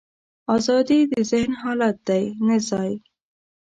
ازادي د ذهن حالت دی، نه ځای.